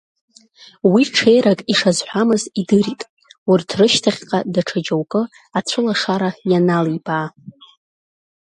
Уи ҽеирак ишазҳәамыз идырит, урҭ рышьҭахьҟа даҽа џьоукы ацәылашара ианалибаа.